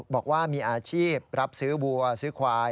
บอกว่ามีอาชีพรับซื้อวัวซื้อควาย